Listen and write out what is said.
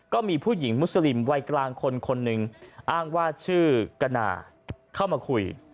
ก็มีผู้หญิงมุสลิมวัยกลางคนคนหนึ่งอ้างว่าชื่อกนาเข้ามาคุย